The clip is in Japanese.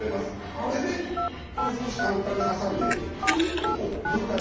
それでこれを少し簡単に挟んでくいっとこう抜いてあげる。